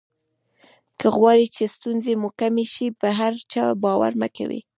که غواړی چې ستونزې مو کمې شي په هر چا باور مه کوئ.